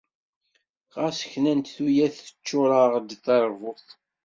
Ɣas knant tuyat teččur-aɣ-d teṛbut.